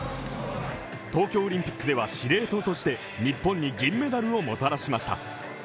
東京オリンピックでは司令塔として日本に銀メダルをもたらしました。